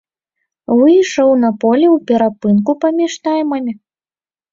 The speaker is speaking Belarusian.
Выйшаў на поле ў перапынку паміж таймамі.